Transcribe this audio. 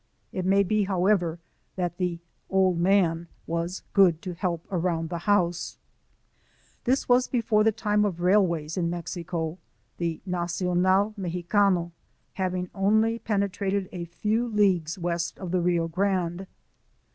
It may be, however, that the " old man " was " good to help around the house," This was before the time of railways in Mexico, the "Nacional Mexicano" having only penetrated a few leagues west of the Rio Grande.